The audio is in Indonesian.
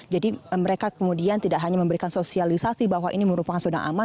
jadi mereka kemudian tidak hanya memberikan sosialisasi bahwa ini merupakan zona aman